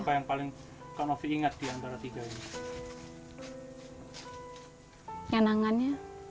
apa yang paling kak novi ingat di antara tiga ini kenangannya